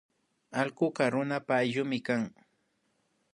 Allkuka runapa ayllumi kan